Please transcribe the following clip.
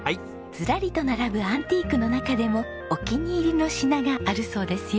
ズラリと並ぶアンティークの中でもお気に入りの品があるそうですよ。